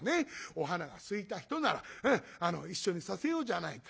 お花が好いた人なら一緒にさせようじゃないか。